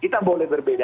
kita boleh berbeda